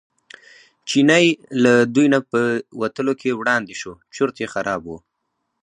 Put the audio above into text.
چینی له دوی نه په وتلو کې وړاندې شو چورت یې خراب و.